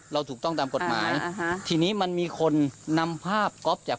ถูกต้องตามกฎหมายอ่าฮะทีนี้มันมีคนนำภาพก๊อฟจาก